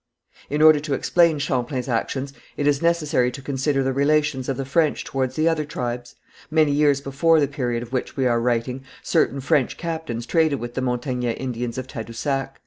In order to explain Champlain's actions, it is necessary to consider the relations of the French towards the other tribes. Many years before the period of which we are writing, certain French captains traded with the Montagnais Indians of Tadousac.